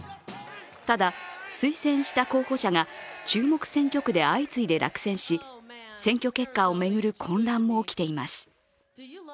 ただ、推薦した候補者が注目選挙区で相次いで落選し選挙結果を巡る混乱も起きています。